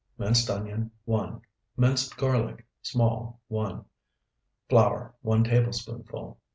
Minced onion, 1. Minced garlic, small, 1. Flour, 1 tablespoonful.